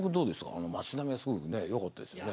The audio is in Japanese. あの街並みがすごくねよかったですよね。